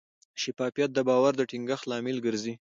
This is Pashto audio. شفافیت د باور د ټینګښت لامل ګرځي.